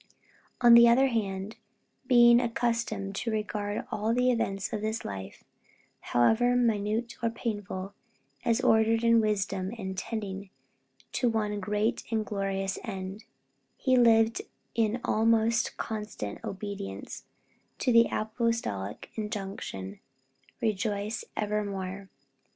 On the other hand, being accustomed to regard all the events of this life, however minute or painful, as ordered in wisdom and tending to one great and glorious end, he lived in almost constant obedience to the apostolic injunction, "Rejoice evermore!"